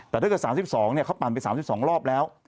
แต่ถ้าเกิด๓๒เขาปั่นไป๓๒รอบแล้ว